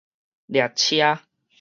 掠車